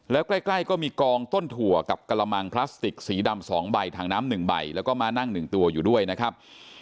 แล้วใกล้ก็มีกองต้นถั่วกับกระมังพลาสติกสีดำ๒ใบถังน้ำ๑ใบแล้วก็มานั่ง๑ตัวอยู่ด้วยนะครับ